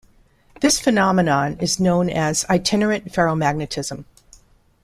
This phenomenon is known as "itinerant ferromagnetism".